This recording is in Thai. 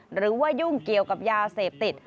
หรือว่ายุ่งเกี่ยวกับยาเสพติด